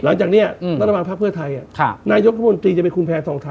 หลังจากนี้ต้อนรับมาภาพเพื่อไทยนายกรุงมนตรีจะเป็นคุณแพทย์สองทาง